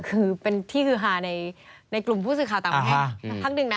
คือเป็นที่คือฮาในกลุ่มผู้สื่อข่าวต่างหากนึงนะ